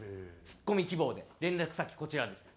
「ツッコミ希望で連絡先こちらです」。